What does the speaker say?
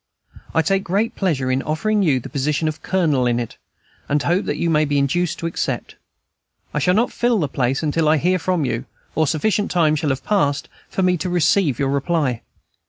I take great pleasure in offering you the position of Colonel in it, and hope that you may be induced to accept. I shall not fill the place until I hear from you, or sufficient time shall have passed for me to receive your reply.